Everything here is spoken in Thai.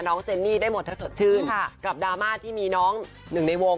เจนนี่ได้หมดถ้าสดชื่นกับดราม่าที่มีน้องหนึ่งในวง